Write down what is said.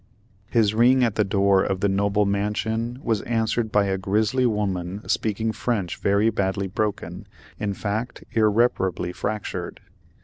His ring at the door of the noble mansion was answered by a grizzly woman speaking French very badly broken, in fact irreparably fractured.